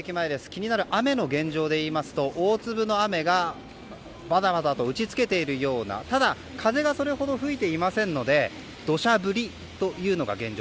気になる雨の現状でいいますと大粒の雨がバタバタと打ち付けているようなただ、風がそれほど吹いていませんので土砂降りというのが現状。